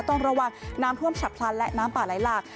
ต้องระวังน้ำท่วมฉับพลันและน้ำป่าไหลหลาก